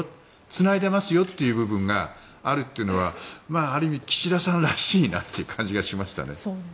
つないでますよという部分があるというのはある意味、岸田さんらしいという感じがしましたね。